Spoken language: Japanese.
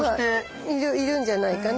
いるんじゃないかな